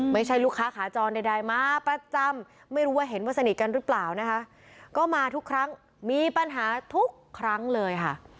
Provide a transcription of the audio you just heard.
ไม่ใช่ลูกค้าขาจรใดมาประจำไม่รู้ว่าเห็นว่าสนิทกันหรือเปล่านะคะก็มาทุกครั้งมีปัญหาทุกครั้งเลยค่ะ